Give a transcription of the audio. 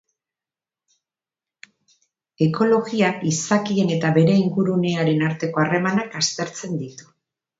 Ekologiak izakien eta bere ingurunearen arteko harremanak aztertzen ditu.